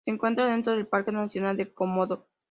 Se encuentra dentro del Parque nacional de Komodo.